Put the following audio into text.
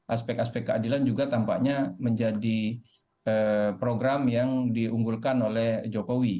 aspek aspek keadilan juga tampaknya menjadi program yang diunggulkan oleh jokowi